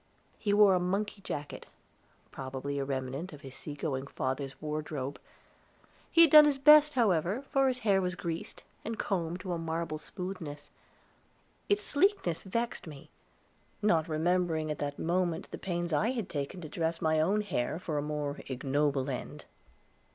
He wore a monkey jacket, probably a remnant of his sea going father's wardrobe. He had done his best, however, for his hair was greased, and combed to a marble smoothness; its sleekness vexed me, not remembering at that moment the pains I had taken to dress my own hair, for a more ignoble end.